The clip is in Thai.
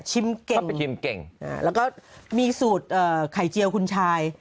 ชิมเก่งแล้วก็มีสูตรไข่เจียวคุณชาย